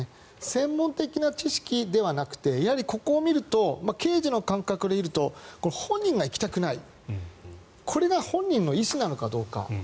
専門的な知識ではなくてやはり、ここを見ると刑事の感覚でいうと本人が行きたくないこれが本人の意思なのかどうか。